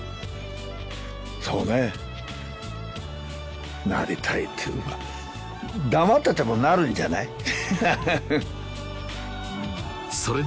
そうねなりたいっていうのか黙っててもなるんじゃない？